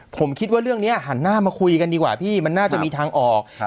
ผมคิดว่าเรื่องนี้หันหน้ามาคุยกันดีกว่าพี่มันน่าจะมีทางออก